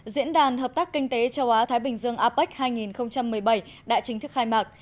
diễn đàn hợp tác kinh tế châu á thái bình dương apec hai nghìn một mươi bảy đã chính thức khai mạc